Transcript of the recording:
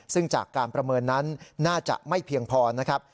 ซึ่งจากการประเมินนั้นน่าจะไม่เพียงพอนะครับ